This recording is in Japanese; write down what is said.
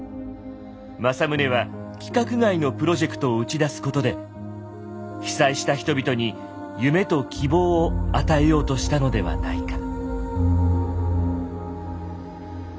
政宗は規格外のプロジェクトを打ち出すことで被災した人々に夢と希望を与えようとしたのではないか。